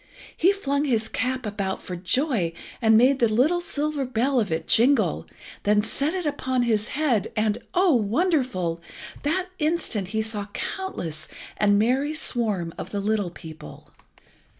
He flung his cap about for joy and made the little silver bell of it jingle, then set it upon his head, and oh wonderful! that instant he saw the countless and merry swarm of the little people.